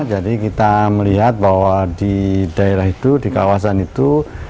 jadi kita melihat bahwa di daerah itu di kawasan itu